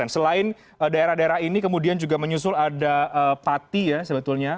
selain daerah daerah ini kemudian juga menyusul ada pati ya sebetulnya